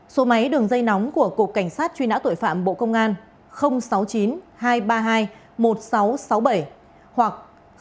số máy đường dây nóng của cục cảnh sát truy nã tội phạm bộ công an sáu mươi chín hai trăm ba mươi hai một nghìn sáu trăm sáu mươi bảy hoặc chín trăm bốn mươi sáu ba trăm một mươi bốn bốn trăm hai mươi chín